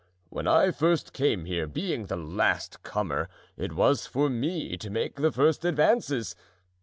When I first came here; being the last comer, it was for me to make the first advances.